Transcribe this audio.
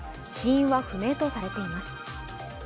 死因は不明とされています。